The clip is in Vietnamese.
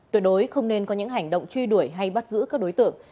tuyệt đối không nên có những hành động truy đuổi hay bắt giữ các đối tượng